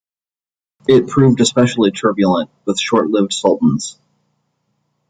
It proved especially turbulent, with short-lived sultans.